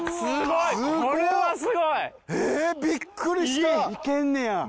いけんねや。